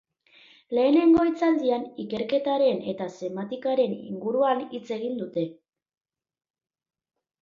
Lehenengo hitzaldian ikerketaren eta semantikaren inguruan hitz egin dute.